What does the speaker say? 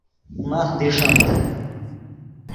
ماخ دیݰمتے